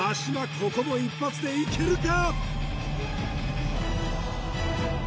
ここも一発でいけるか？